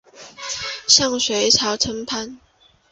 向隋朝称藩。